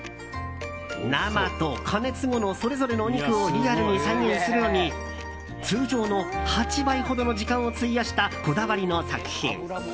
生と加熱後のそれぞれのお肉をリアルに再現するのに通常の８倍ほどの時間を費やしたこだわりの作品。